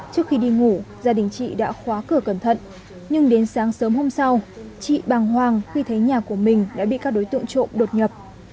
trước khi đi ngủ gia đình chị đã khóa cửa cẩn thận nhưng đến sáng sớm hôm sau chị bàng hoàng khi thấy nhà của mình đã bị các đối tượng trộm đột nhập